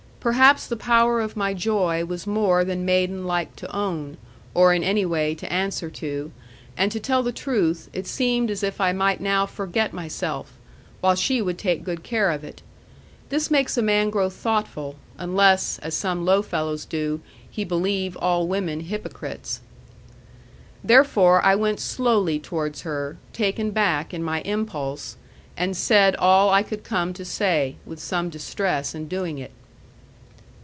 Perhaps the power of my joy was more than maiden liked to own, or in any way to answer to; and to tell the truth, it seemed as if I might now forget myself; while she would take good care of it. This makes a man grow thoughtful; unless, as some low fellows do, he believe all women hypocrites. Therefore I went slowly towards her, taken back in my impulse; and said all I could come to say, with some distress in doing it.